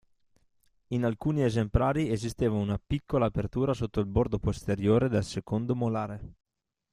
In alcuni esemplari esisteva una piccola apertura sotto il bordo posteriore del secondo molare.